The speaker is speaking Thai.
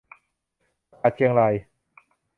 อากาศเชียงราย